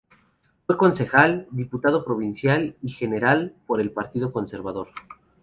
Fue concejal, diputado provincial y general por el Partido Conservador.